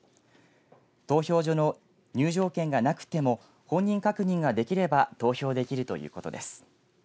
投票所の入場券がなくても本人確認ができれば投票できるということです。